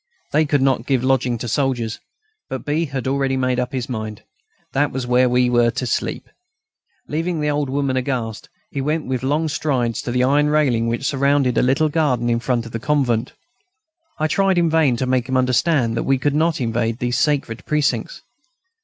They could not give lodging to soldiers. But B. had already made up his mind; that was where we were to sleep. Leaving the old woman aghast, he went with long strides to the iron railing which surrounded a little garden in front of the convent. I tried in vain to make him understand that we could not invade these sacred precincts.